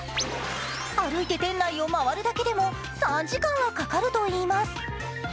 歩いて店内を回るだけでも３時間はかかるといいます。